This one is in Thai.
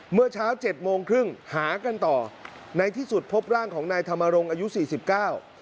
เมื่อเช้าเจ็ดโมงครึ่งหากันต่อในที่สุดพบร่างของนายธรรมรงค์อายุสี่สิบเก้า